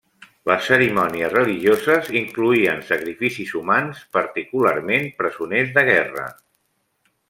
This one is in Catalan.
Les cerimònies religioses incloïen sacrificis humans, particularment presoners de guerra.